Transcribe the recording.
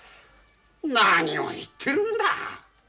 何を言ってるんだ。